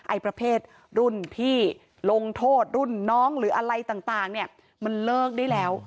ไอ้ประเภทรุ่นพี่ลงโทษรุ่นน้องหรืออะไรต่างเนี่ยมันเลิกได้แล้ว